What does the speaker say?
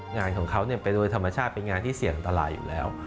งานของเขาเป็นงานที่เสี่ยงอันตรายอยู่แล้ว